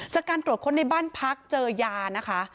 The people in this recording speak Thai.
จากการตรวจค้นในบ้านพักเจอยานะคะ